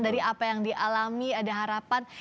dari apa yang dialami ada harapan